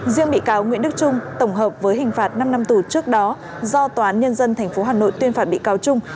riêng bị cáo nguyễn đức trung tổng hợp với hình phạt năm năm tù trước đó do tòa án nhân dân tp hà nội tuyên phạt bị cáo trung